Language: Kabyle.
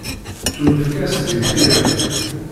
Tettunefk-as deg tira.